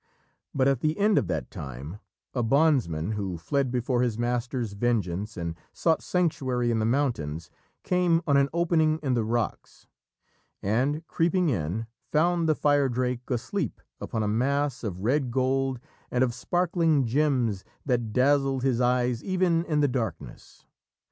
But at the end of that time, a bondsman, who fled before his master's vengeance and sought sanctuary in the mountains, came on an opening in the rocks, and, creeping in, found the Firedrake asleep upon a mass of red gold and of sparkling gems that dazzled his eyes even in the darkness.